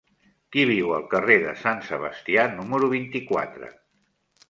Qui viu al carrer de Sant Sebastià número vint-i-quatre?